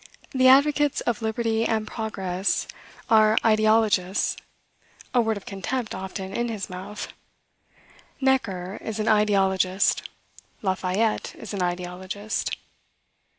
The advocates of liberty, and of progress, are "ideologists;" a word of contempt often in his mouth; "Necker is an ideologist:" "Lafayette is an ideologist."